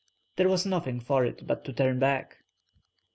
There was nothing for it but to turn back.